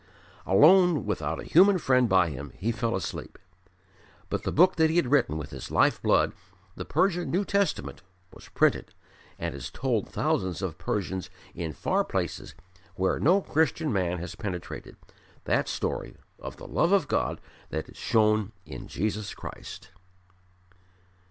Alone, without a human friend by him, he fell asleep. But the book that he had written with his life blood, the Persian New Testament, was printed, and has told thousands of Persians in far places, where no Christian man has penetrated, that story of the love of God that is shown in Jesus Christ.